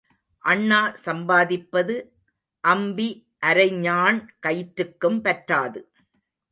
அண்ணா சம்பாதிப்பது அம்பி அரைஞாண் கயிற்றுக்கும் பற்றாது.